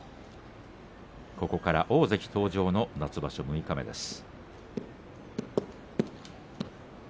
ここから大関登場の夏場所六日目です。